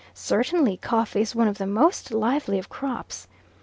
Certainly coffee is one of the most lovely of crops.